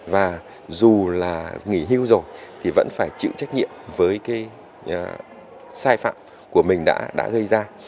và dù là nghỉ hưu rồi thì vẫn phải chịu trách nhiệm với cái sai phạm của mình đã gây ra